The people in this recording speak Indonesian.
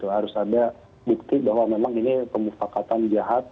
harus ada bukti bahwa memang ini pemufakatan jahat